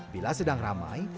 bila sedang ramai